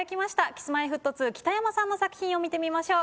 Ｋｉｓ−Ｍｙ−Ｆｔ２・北山さんの作品を見てみましょう。